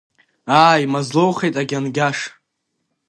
Ааи, Мазлоухеит, агьангьаш!